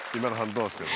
どうですか？